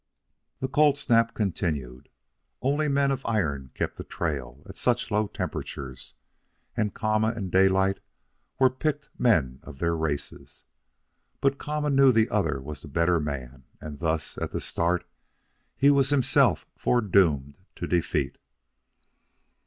The cold snap continued. Only men of iron kept the trail at such low temperatures, and Kama and Daylight were picked men of their races. But Kama knew the other was the better man, and thus, at the start, he was himself foredoomed to defeat.